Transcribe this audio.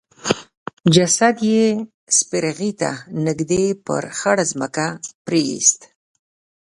جسد يې سپرغي ته نږدې پر خړه ځمکه پريېست.